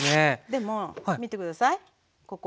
でも見て下さいここ。